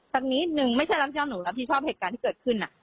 สักนิดนึงไม่ใช่รับผิดชอบหนูรับผิดชอบเหตุการณ์ที่เกิดขึ้น